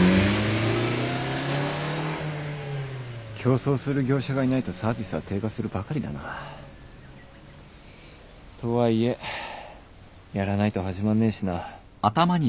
競争する業者がいないとサービスは低下するばかりだな。とはいえやらないと始まんねえしな。